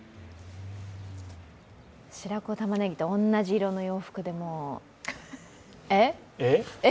白子玉ねぎと同じ色の洋服で、もう。えっ？